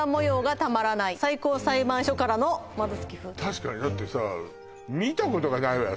確かにだってさ見たことがないわよ